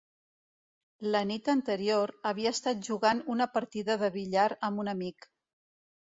La nit anterior, havia estat jugant una partida de billar amb un amic.